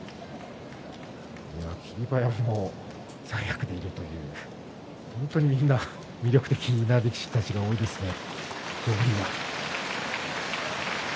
霧馬山も三役にいるというみんな魅力的な力士が多いですね。